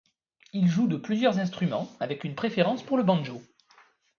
Il joue de plusieurs instruments, avec une préférence pour le banjo.